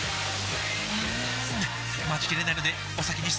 うーん待ちきれないのでお先に失礼！